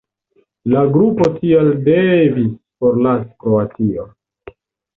La grupo tial devis forlasi Kroatio.